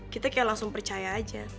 kita kayak langsung percaya aja